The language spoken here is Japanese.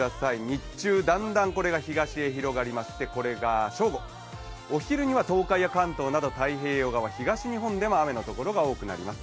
日中、だんだんこれが東に広がりましてこれが正午、お昼には東海や関東など太平洋側、東日本でも雨のところが多くなります。